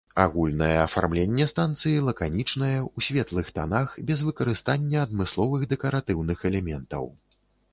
Агульнае афармленне станцыі лаканічнае, у светлых танах, без выкарыстання адмысловых дэкаратыўных элементаў.